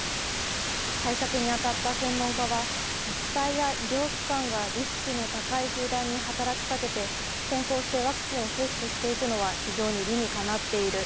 対策に当たった専門家は、自治体や医療機関がリスクの高い集団に働きかけて、先行してワクチンを接種していくのは非常に理にかなっている。